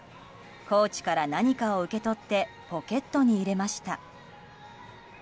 コーチから何かを受け取ってポケットに入れました。